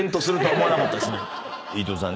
飯豊さん